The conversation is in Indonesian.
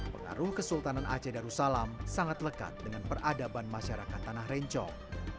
pengaruh kesultanan aceh darussalam sangat lekat dengan peradaban masyarakat tanah rencong